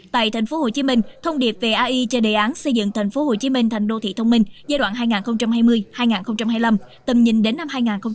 tại tp hcm thông điệp về ai cho đề án xây dựng tp hcm thành đô thị thông minh giai đoạn hai nghìn hai mươi hai nghìn hai mươi năm tầm nhìn đến năm hai nghìn ba mươi